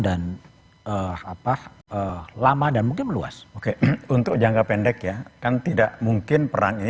apa lama dan mungkin luas oke untuk jangka pendek ya kan tidak mungkin perang ini